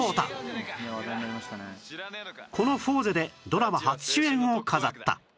この『フォーゼ』でドラマ初主演を飾った